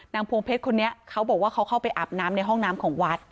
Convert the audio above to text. พวงเพชรคนนี้เขาบอกว่าเขาเข้าไปอาบน้ำในห้องน้ำของวัด